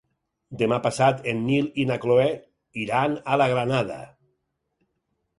Demà passat en Nil i na Cloè iran a la Granada.